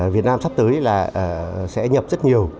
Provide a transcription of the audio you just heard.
việt nam sắp tới là sẽ nhập rất nhiều